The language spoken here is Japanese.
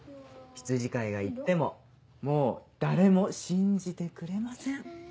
羊飼いが言ってももう誰も信じてくれません」。